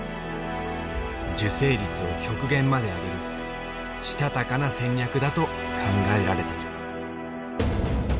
受精率を極限まで上げるしたたかな戦略だと考えられている。